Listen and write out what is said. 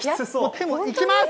いきます。